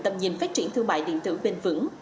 tầm nhìn phát triển thương mại điện tử bền vững